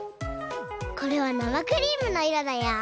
これはなまクリームのいろだよ！